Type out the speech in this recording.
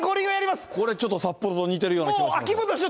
これ、ちょっと札幌と似てるような気がする。